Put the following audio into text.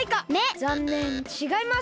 ざんねんちがいます。